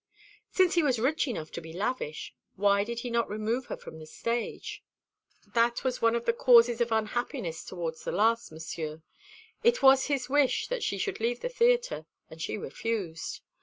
"Since he was rich enough to be lavish, why did he not remove her from the stage?" "That was one of the causes of unhappiness towards the last, Monsieur. It was his wish that she should leave the theatre, and she refused.